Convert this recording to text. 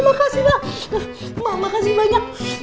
mak makasih mak mak makasih banyak